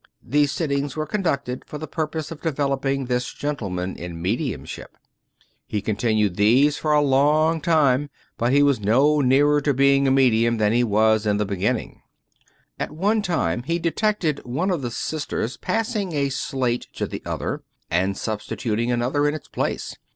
These sittings were conducted for the purpose of developing this gentle man in mediumship. He continued this for a long time, but 276 Daznd P. Abbott he was no nearer to being a medium than he was in the beginning. At one time he detected one of the sisters passing a slate to the other, and substituting another in its place.